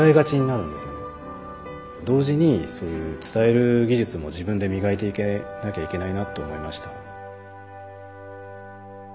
同時にそういう伝える技術も自分で磨いていかなきゃいけないなと思いました。